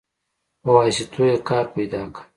په واسطو يې کار پيدا که.